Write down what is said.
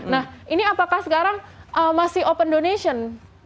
nah ini apakah sekarang masih open donation